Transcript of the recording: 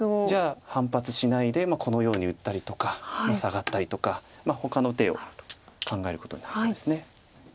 じゃあ反発しないでこのように打ったりとかサガったりとかほかの手を考えることになりそうです。